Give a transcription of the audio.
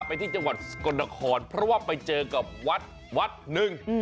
ไปที่จังหวัดสกลนครเพราะว่าไปเจอกับวัดวัดหนึ่ง